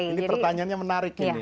ini pertanyaannya menarik ini